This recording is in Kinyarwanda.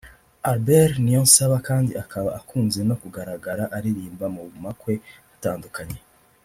Albert Niyonsaba kandi akaba akunze no kugaragara aririmba mu makwe atandukanye